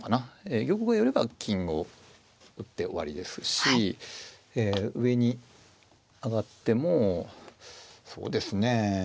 玉が寄れば金を打って終わりですし上に上がってもそうですね